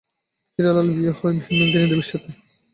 হীরালাল বিয়ে হয় হেমাঙ্গিনী দেবীর সাথে।